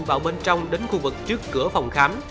vào bên trong đến khu vực trước cửa phòng khám